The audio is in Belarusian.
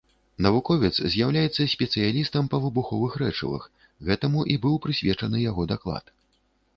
Навуковец з'яўляецца спецыялістам па выбуховых рэчывах, гэтаму і быў прысвечаны яго даклад.